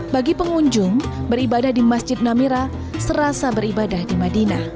bagi pengunjung beribadah di masjid namira serasa beribadah di madinah